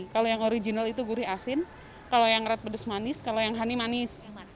kalau yang original itu gurih asin kalau yang red pedas manis kalau yang honey manis